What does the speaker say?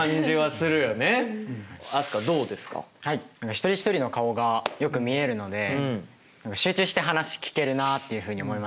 一人一人の顔がよく見えるので集中して話聞けるなっていうふうに思いました。